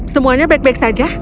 semuanya baik baik saja